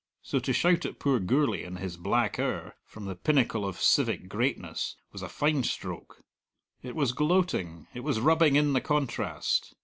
So to shout at poor Gourlay in his black hour, from the pinnacle of civic greatness, was a fine stroke: it was gloating, it was rubbing in the contrast.